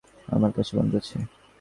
আমার কাছে বন্ধু আগে।